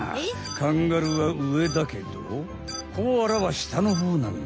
カンガルーは上だけどコアラは下のほうなんだ。